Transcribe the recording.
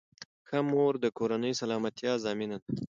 ښه مور د کورنۍ سلامتۍ ضامن ده.